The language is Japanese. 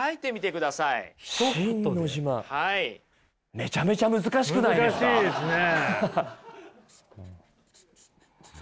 めちゃめちゃ難しくないですか！